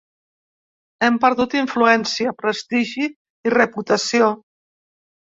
Hem perdut influència, prestigi i reputació.